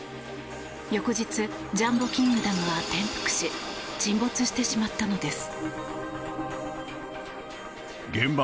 翌日ジャンボ・キングダムは転覆し沈没してしまったのです。